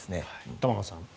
玉川さん。